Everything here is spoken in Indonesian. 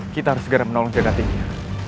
kita harus segera menolong jaga tinggi